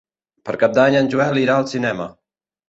Per Cap d'Any en Joel irà al cinema.